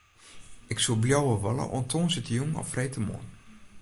Ik soe bliuwe wolle oant tongersdeitejûn of freedtemoarn.